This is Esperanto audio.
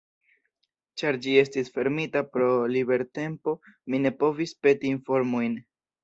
Ĉar ĝi estis fermita pro libertempo, mi ne povis peti informojn.